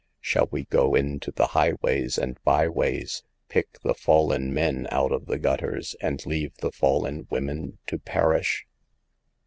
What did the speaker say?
Shall we go into the highways and byways, pick the fallen men out of the gutters and leave the fallen women to perish